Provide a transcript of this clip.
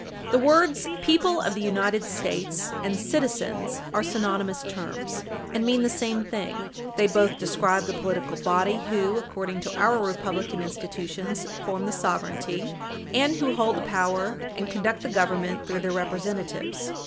The words "people of the United States" and "citizens" are synonymous terms, and mean the same thing. They both describe the political body who, according to our republican institutions, form the sovereignty and who hold the power and conduct the Government through their representatives.